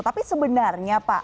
tapi sebenarnya pak